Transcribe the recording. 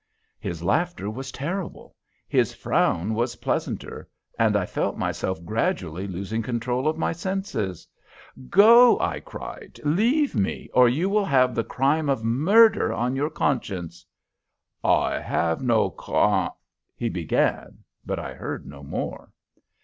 His laughter was terrible; his frown was pleasanter; and I felt myself gradually losing control of my senses. "Go," I cried. "Leave me, or you will have the crime of murder on your conscience." "I have no con " he began; but I heard no more.